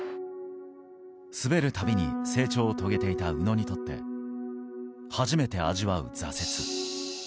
滑るたびに成長を遂げていた宇野にとって、初めて味わう挫折。